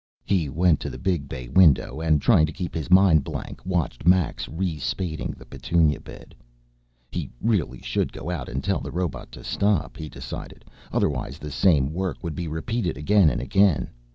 He went to the big bay window and, trying to keep his mind blank, watched Max re spading the petunia bed. He really should go out and tell the robot to stop, he decided, otherwise the same work would be repeated again and again.